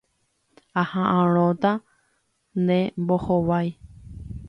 Aha'ãrõta ne mbohovái.